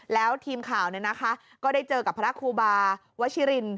แล้วทีมข่าวก็ได้เจอกับพระครูบาวชิริน